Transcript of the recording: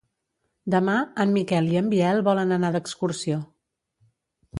Demà en Miquel i en Biel volen anar d'excursió.